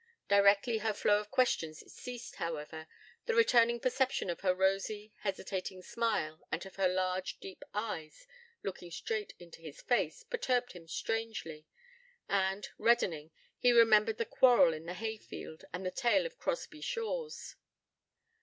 Directly her flow of questions ceased, however, the returning perception of her rosy, hesitating smile, and of her large, deep eyes looking straight into his face, perturbed him strangely, and, reddening, he remembered the quarrel in the hay field and the tale of Crosby Shaws.